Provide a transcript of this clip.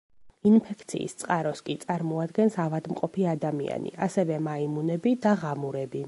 ინფექციის წყაროს კი წარმოადგენს ავადმყოფი ადამიანი, ასევე მაიმუნები და ღამურები.